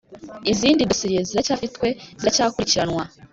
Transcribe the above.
izindi dosiye ziracyafitwe ziracyakurikiranwa.